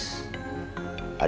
ada tugas buat kamu